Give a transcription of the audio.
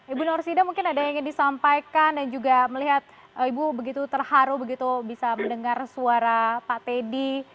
ibu norsida mungkin ada yang ingin disampaikan dan juga melihat ibu begitu terharu begitu bisa mendengar suara pak teddy